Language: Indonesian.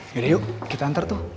yaudah yuk kita antar tuh